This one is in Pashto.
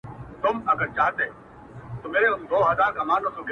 د انسان د ټولنیز ژوند اړتیاوو ته ځواب وايي